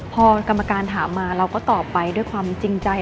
พอกรรมการถามมาเราก็ตอบไปด้วยความจริงใจ